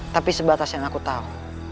tapi sebatas yang aku tahu